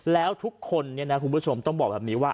แล้วทุกคนเนี่ยนะคุณผู้ชมต้องบอกแบบนี้ว่า